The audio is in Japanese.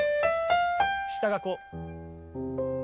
下がこう。